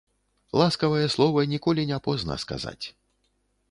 Ласкавае слова ніколі не позна сказаць.